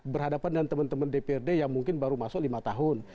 berhadapan dengan teman teman dprd yang mungkin baru masuk lima tahun